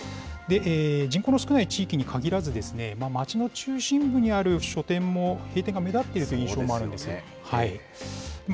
人口の少ない地域に限らず、街の中心部にある書店も閉店が目立っているという印象もあるんです。